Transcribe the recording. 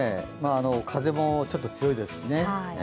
風もちょっと強いですしね。